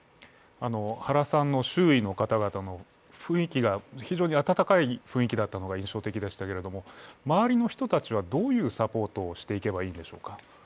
原さんの周囲の方々の雰囲気が非常に暖かい雰囲気だったのが印象的でしたけれども、周りの人たちは、どういうサポートをしていけばいいのでしょうか。